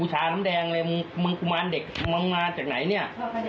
ชาน้ำแดงเลยมึงมึงกุมารเด็กมึงมาจากไหนเนี่ย